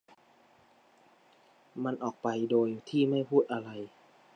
มันออกไปโดยที่ไม่พูดอะไร